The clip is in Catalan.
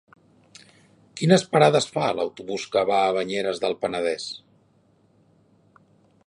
Quines parades fa l'autobús que va a Banyeres del Penedès?